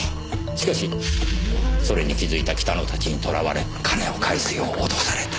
しかしそれに気づいた北野たちに捕らわれ金を返すよう脅された。